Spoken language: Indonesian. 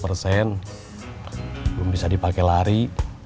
belum bisa dipake lari